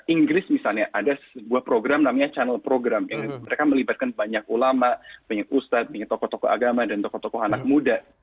inggris misalnya ada sebuah program namanya channel program yang mereka melibatkan banyak ulama banyak ustadz banyak tokoh tokoh agama dan tokoh tokoh anak muda